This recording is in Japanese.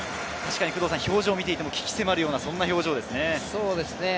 表情を見ていても鬼気迫るような表情ですよね。